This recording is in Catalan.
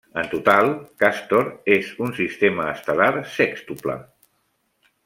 En total, Càstor és un sistema estel·lar sèxtuple.